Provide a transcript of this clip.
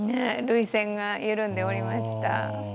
涙腺が緩んでおりました。